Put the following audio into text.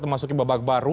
memasuki babak baru